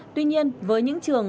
tuy nhiên với những trường